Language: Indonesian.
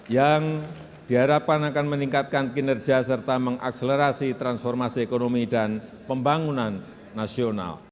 yang diharapkan akan meningkatkan kinerja serta mengakselerasi transformasi ekonomi dan pembangunan nasional